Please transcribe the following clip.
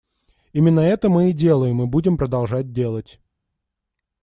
Именно это мы и делаем и будем продолжать делать.